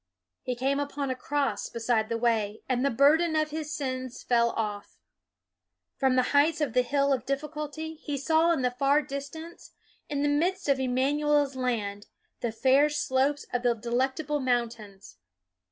He came upon a cross beside the way, and the burden of his sins fell off. From the heights of the Hill Difficulty, he saw in the far distance, in the midst of Im manuel's Land, the fair slopes of the Delectable Mountains.